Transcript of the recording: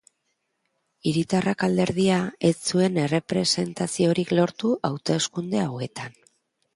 Hiritarrak alderdia ez zuen errepresentaziorik lortu hauteskunde hauetan.